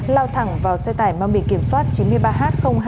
lao thẳng vào xe tải mong bị kiểm soát chín mươi ba h hai nghìn sáu trăm năm mươi hai